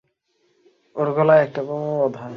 ওর গলায় একটা বোমা বাঁধা!